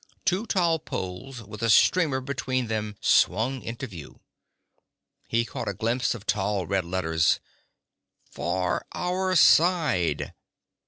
Two tall poles with a streamer between them swung into view. He caught a glimpse of tall red letters: ... For Our Side!